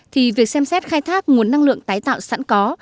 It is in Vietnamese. thì việc xem xét khai thác nguồn năng lượng tái tạo sẵn có